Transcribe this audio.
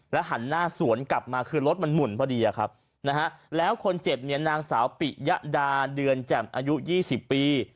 หันหน้าสวนกลับมาคือรถมันหมุนพอดีอะครับนะฮะแล้วคนเจ็บเนี่ยนางสาวปิยะดาเดือนแจ่มอายุ๒๐ปี